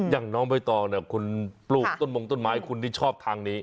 อย่างน้องใบตองเนี่ยคุณปลูกต้นมงต้นไม้คุณนี่ชอบทางนี้